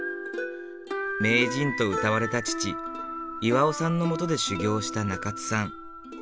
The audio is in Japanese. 名人とうたわれた父巌さんの下で修業した中津さん。